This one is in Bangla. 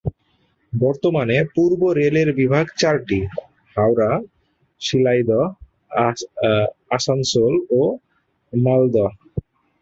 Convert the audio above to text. বর্তমানে পূর্ব রেলের বিভাগ চারটি: হাওড়া, শিয়ালদহ, আসানসোল ও মালদহ।